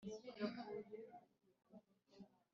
ngo azicurure nti :« zana ibyano,